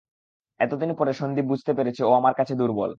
এতদিন পরে সন্দীপ বুঝতে পেরেছে, ও আমার কাছে দুর্বল।